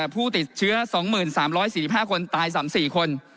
ผู้ติดเชื้อ๒๓๔๕คนตาย๓๔คน